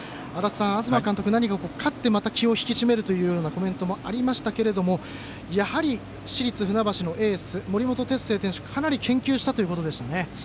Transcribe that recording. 東監督、何か勝ってまた気を引き締めるというコメントもありましたがやはり、市立船橋のエース森本哲星選手をかなり研究したということでしたね。